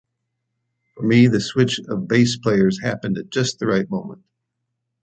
For me the switch of bass players happened at just the right moment.